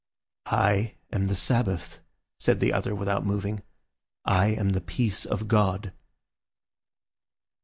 "I am the Sabbath," said the other without moving. "I am the peace of God."